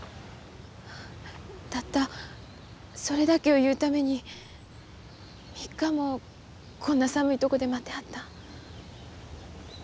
たったそれだけを言うために３日もこんな寒いとこで待ってはったん？